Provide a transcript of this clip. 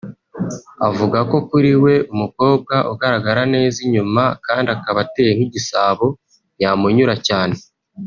Avuga ko kuri we umukobwa ugaragara neza inyuma kandi akaba ateye nk’’igisabo yamunyura cyane